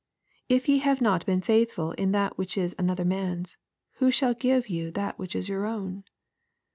" If ye have not been faithful in that which is another man's, who shall give you that which is your own